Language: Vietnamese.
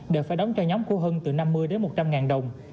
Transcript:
để phải đóng cho nhóm của hưng từ năm mươi đến một trăm linh ngàn đồng